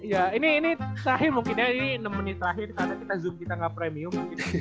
ya ini sahih mungkin ya ini enam menit terakhir karena kita zoom kita nggak premium